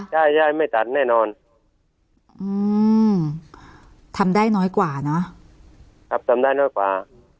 ใช่ใช่ไม่ตัดแน่นอนอืมทำได้น้อยกว่าเนอะครับทำได้น้อยกว่า